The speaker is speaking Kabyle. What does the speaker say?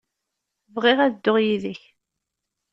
Bɣiɣ ad dduɣ yid-k.